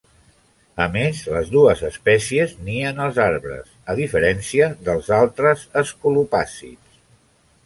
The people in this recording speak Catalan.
A més, les dues espècies nien als arbres, a diferència dels altres escolopàcids.